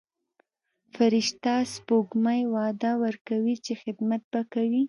فرشته سپوږمۍ وعده ورکوي چې خدمت به کوي.